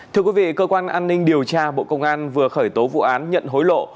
thưa quý vị cơ quan an ninh điều tra bộ công an vừa khởi tố vụ án nhận hối lộ